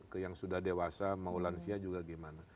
ke yang sudah dewasa maulansia juga gimana